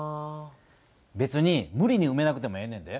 別に無理にうめなくてもええねんで。